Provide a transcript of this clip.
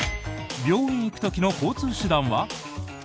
病院に行く時の交通手段は？